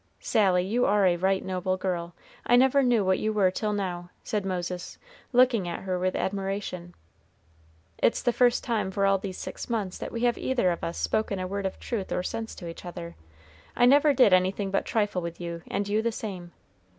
"Sally, you are a right noble girl. I never knew what you were till now," said Moses, looking at her with admiration. "It's the first time for all these six months that we have either of us spoken a word of truth or sense to each other. I never did anything but trifle with you, and you the same.